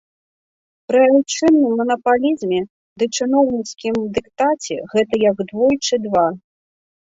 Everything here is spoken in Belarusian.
Пры айчынным манапалізме ды чыноўніцкім дыктаце гэта як двойчы два.